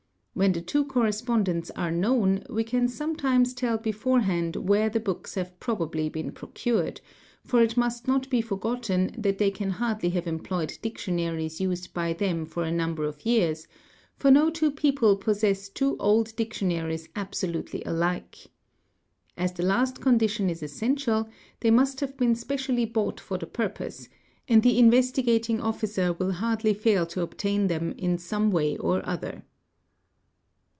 When 'the two correspondents are known, we can sometimes tell beforehand 'y vhere the books have probably been procured, for it must not be for r Bien that they can hardly have employed dictionaries used by them for i "number of years, for no two people possess two old dictionaries ab gc lutely alike. As the last condition is essential, they must have been ecially bought for the purpose ; and the Investigating Officer will hardly 1 to obtain them in some way or other.